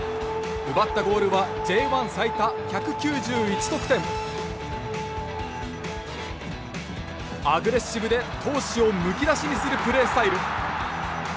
奪ったゴールはアグレッシブで闘志をむき出しにするプレースタイル。